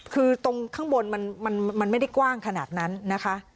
คือตรงข้างบนมันไม่ได้กว้างขนาดนั้นนะคะ